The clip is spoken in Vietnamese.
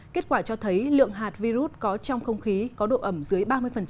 kết quả cho thấy lượng hạt virus có trong không khí có độ ẩm dưới ba mươi